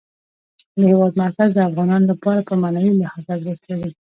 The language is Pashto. د هېواد مرکز د افغانانو لپاره په معنوي لحاظ ارزښت لري.